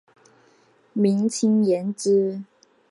明清延之。